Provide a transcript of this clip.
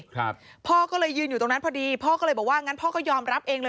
ครับพ่อก็เลยยืนอยู่ตรงนั้นพอดีพ่อก็เลยบอกว่างั้นพ่อก็ยอมรับเองเลย